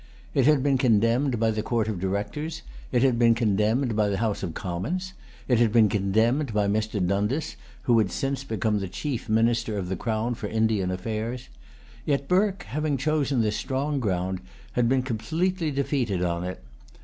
It had been condemned by the Court of Directors. It had been condemned by the House of Commons. It had been condemned by Mr. Dundas, who had since become the chief minister of the Crown for Indian affairs. Yet Burke, having chosen this strong ground, had been completely defeated on it.